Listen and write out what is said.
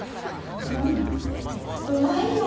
うんうまいよ！